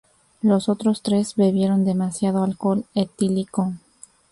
Los otros tres bebieron demasiado alcohol etílico.